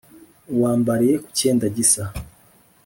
Uwambariye ku cyenda gisa ?